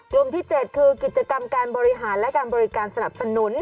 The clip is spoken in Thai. กลุ่มที่๗คือกิจกรรมการบริหารและการบริการสนับสนุน